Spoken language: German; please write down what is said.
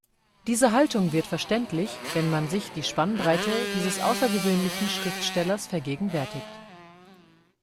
Diese Haltung wird verständlich, wenn man sich die Spannbreite dieses außergewöhnlichen Schriftstellers vergegenwärtigt.